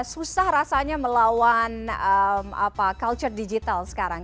susah rasanya melawan culture digital sekarang